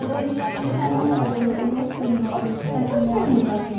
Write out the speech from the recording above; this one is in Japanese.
今の着てるお洋服にもぴったり似合ってますね。